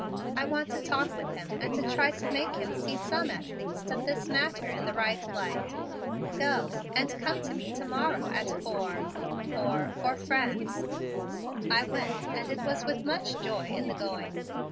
I want to talk with him and try to make him see some at least of this matter in the right light. Go; and come to me to morrow at four for for France." I went and it was with much joy in the going.